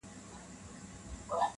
نه له زوره د زلمیو مځکه ګډه په اتڼ ده-